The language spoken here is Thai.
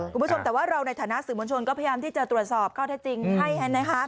คุณผู้ชมแต่ว่าเราในฐานะสื่อมวลชนก็พยายามที่จะตรวจสอบข้อเท็จจริงให้นะคะ